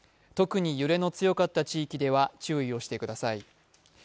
特に揺れの強かった地域では注意をしてください。